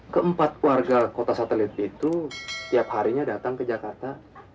keempat warga kota satelit itu tiap harinya datang ke jakarta